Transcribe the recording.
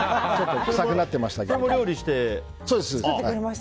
それも料理して？